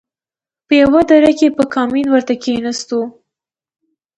په يوه دره کښې په کمين ورته کښېناستو.